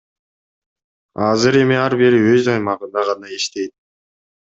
Азыр эми ар бири өз аймагында гана иштейт.